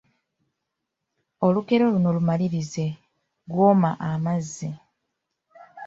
Olugero luno lumalirize : Gw'omma amazzi, …..